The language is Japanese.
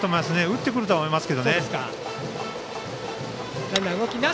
打ってくるとは思います。